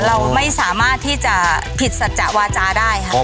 เราไม่สามารถที่จะผิดสัจจะวาจาได้ค่ะ